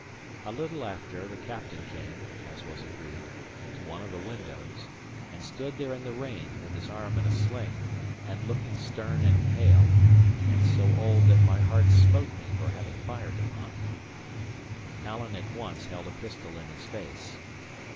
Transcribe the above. A little after, the captain came (as was agreed) to one of the windows, and stood there in the rain, with his arm in a sling, and looking stern and pale, and so old that my heart smote me for having fired upon him. Alan at once held a pistol in his face.